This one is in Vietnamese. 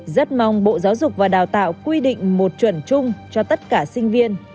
rất mong bộ giáo dục và đào tạo quy định một chuẩn chung cho tất cả sinh viên